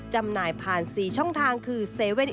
จำหน่ายผ่าน๔ช่องทางคือ๗๑๑